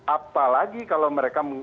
apalagi kalau mereka